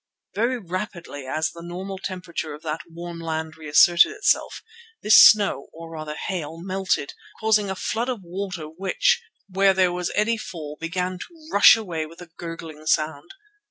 Very rapidly, as the normal temperature of that warm land reasserted itself, this snow or rather hail melted, causing a flood of water which, where there was any fall, began to rush away with a gurgling sound.